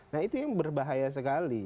nah itu yang berbahaya sekali